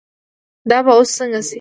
دا به اوس څنګه شي.